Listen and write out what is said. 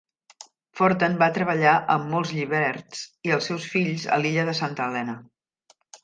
Forten va treballar amb molts lliberts i els seus fills a l'illa de Santa Helena.